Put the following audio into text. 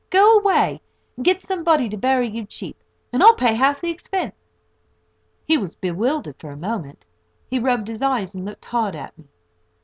Go away, and get somebody to bury you cheap, and I'll pay half the expense." He was bewildered for a moment. He rubbed his eyes, and looked hard at me.